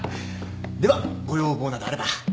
ではご要望などあれば。